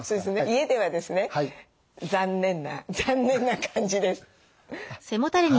家ではですね残念な残念な感じです。